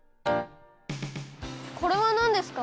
これはなんですか？